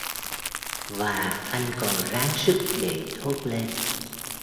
Và anh còn ráng sức để thốt lên